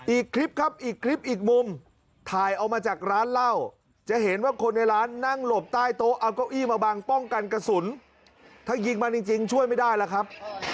อีกคลิปครับอีกคลิปอีกมุมถ่ายเอามาจากร้านเหล้าจะเห็นว่าคนในร้านนั่งหลบใต้โต๊ะเอาเก้าอี้มาบังป้องกันกระสุนถ้ายิงมันจริงช่วยไม่ได้แล้วครับ